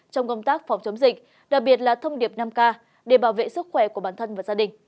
trong công tác phòng chống dịch đặc biệt là thông điệp năm k để bảo vệ sức khỏe của bản thân và gia đình